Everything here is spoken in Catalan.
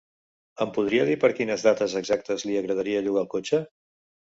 Em podria dir per quines dates exactes li agradaria llogar el cotxe?